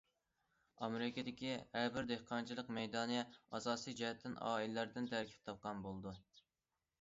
ئامېرىكىدىكى ھەر بىر دېھقانچىلىق مەيدانى ئاساسىي جەھەتتىن ئائىلىلەردىن تەركىب تاپقان بولىدۇ.